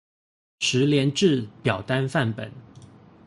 實聯制表單範本